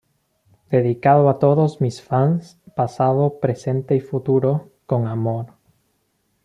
Dedicado a todos mis fans, pasado, presente y futuro, con amor.